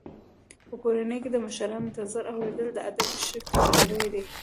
په کورنۍ کې د مشرانو د نظر اورېدل د ادب ښکارندوی دی.